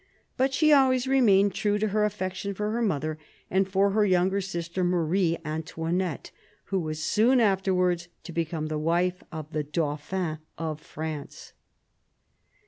But she always re mained true to her affection for her mother, and for her younger sister Marie Antoinette, who was soon after wards to become the wife of the Dauphin of France.